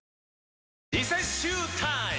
リセッシュータイム！